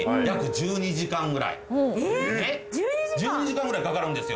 １２時間ぐらいかかるんですよ！